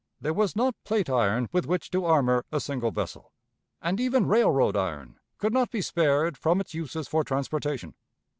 There was not plate iron with which to armor a single vessel, and even railroad iron could not be spared from its uses for transportation.